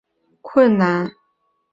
又或者理解别人的指令有困难。